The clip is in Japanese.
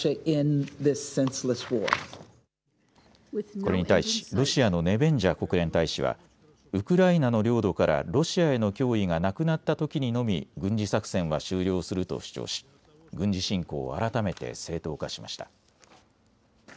これに対しロシアのネベンジャ国連大使はウクライナの領土からロシアへの脅威がなくなったときにのみ軍事作戦は終了すると主張し軍事侵攻を改めて正当化しました。